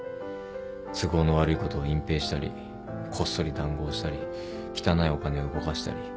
都合の悪いことを隠蔽したりこっそり談合したり汚いお金を動かしたり。